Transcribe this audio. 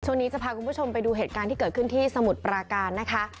ช่วงนี้จะพาคุณผู้ชมไปดูเหตุการณ์ที่เกิดขึ้นที่สมุทรปราการนะคะ